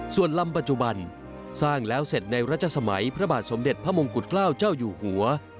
ส่วนลำปัจจุบันสร้างแล้วเสร็จในรัชสมัยพระบาทสมเด็จพระมงกุฎเกล้าเจ้าอยู่หัว